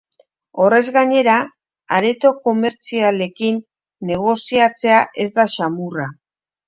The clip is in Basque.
Horrez gainera, areto komertzialekin negoziatzea ez da samurra.